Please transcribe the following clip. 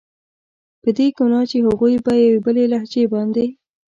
په دې ګناه چې هغوی په یوې بېلې لهجې باندې.